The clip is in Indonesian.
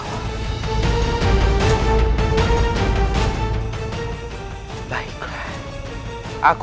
aku ingin tahu